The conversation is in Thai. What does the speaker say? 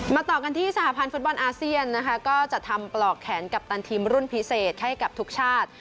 ต่อกันที่สหพันธ์ฟุตบอลอาเซียนนะคะก็จะทำปลอกแขนกัปตันทีมรุ่นพิเศษให้กับทุกชาติ